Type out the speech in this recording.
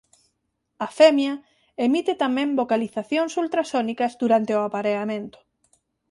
A femia emite tamén vocalizacións ultrasónicas durante o apareamento.